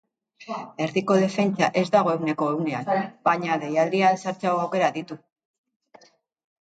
Erdiko defentsa ez dago ehuneko ehunean, baina deialdian sartzeko aukerak ditu.